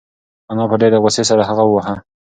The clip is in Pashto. انا په ډېرې غوسې سره هغه وواهه.